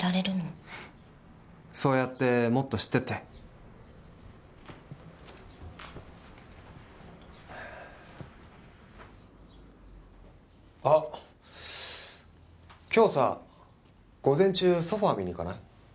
そうやってもっと知ってってあっ今日さ午前中ソファー見に行かない？